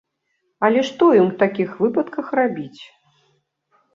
Але што ім у такіх выпадках рабіць?